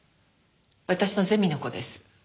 私のゼミの子です。